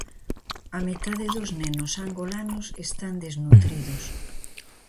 A metade dos nenos angolanos están desnutridos.